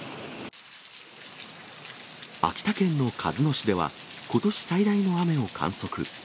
秋田県の鹿角市では、ことし最大の雨を観測。